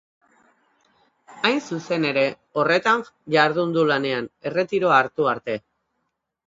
Hain zuzen ere, horretan jardun du lanean, erretiroa hartu arte.